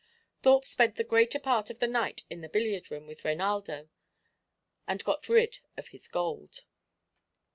Thorpe spent the greater part of the night in the billiard room with Reinaldo, and got rid of his gold.